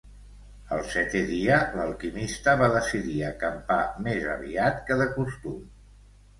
El setè dia, l'alquimista va decidir acampar més aviat que de costum.